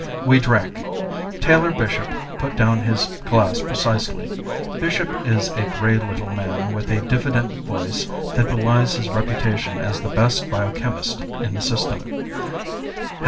We drank. Taylor Bishop put down his glass precisely. Bishop is a gray little man with a diffident voice that belies his reputation as the best biochemist in the system.